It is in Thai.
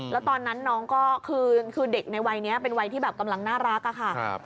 แล้วตอนนั้นน้องก็คือเด็กในวัยนี้เป็นวัยที่แบบกำลังน่ารักอะค่ะ